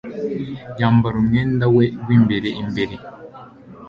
Yambara umwenda we w'imbere imbere.